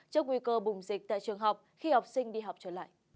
trong nguy cơ bùng diệt tại trường học khi học sinh đi học trở lại